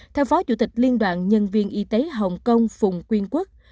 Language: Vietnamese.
theo phó chủ tịch liên đoàn nhân viên y tế hồng kông phùng quyên quốc